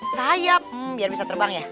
sayap biar bisa terbang ya